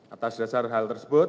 atas dasar hal tersebut